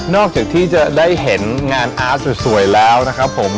จากที่จะได้เห็นงานอาร์ตสวยแล้วนะครับผม